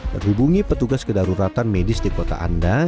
berhubungi petugas kedaruratan medis di kota anda